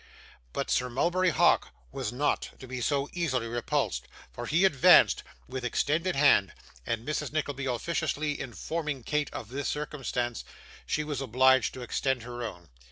But Sir Mulberry Hawk was not to be so easily repulsed, for he advanced with extended hand; and Mrs. Nickleby officiously informing Kate of this circumstance, she was obliged to extend her own.